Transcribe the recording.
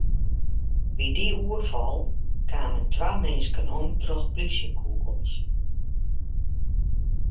By dy oerfal kamen twa minsken om troch plysjekûgels.